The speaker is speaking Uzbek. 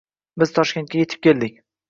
Biz Toshkentga yetib keldik.